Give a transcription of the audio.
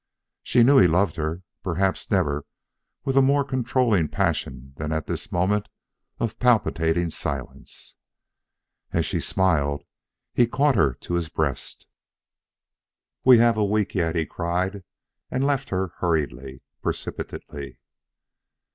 She knew he loved her; perhaps never with a more controlling passion than at this moment of palpitating silence. As she smiled, he caught her to his breast. "We have yet a week," he cried, and left her hurriedly, precipitately.